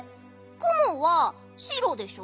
くもはしろでしょ。